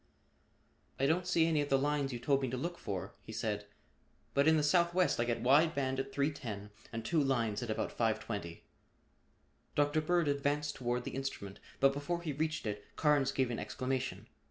"I don't see any of the lines you told me to look for," he said, "but in the southwest I get wide band at 310 and two lines at about 520." Dr. Bird advanced toward the instrument but before he reached it, Carnes gave an exclamation.